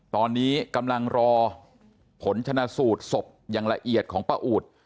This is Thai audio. ตอนนี้กำลังรอผลชนะสูตรศพอย่างละเอียดของป้าอูด